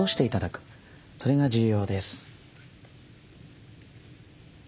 それが重要です。